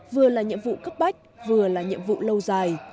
vừa là nhiệm vụ cấp bách vừa là nhiệm vụ lâu dài